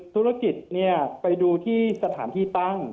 สุรคิตเนี่ยไปดูที่สถานที่ตั้ง